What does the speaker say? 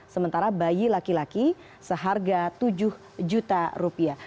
sementara bayi laki laki seharga tujuh juta rupiah